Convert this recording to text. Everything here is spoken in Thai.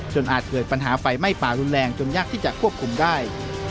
อาจเกิดปัญหาไฟไหม้ป่ารุนแรงจนยากที่จะควบคุมได้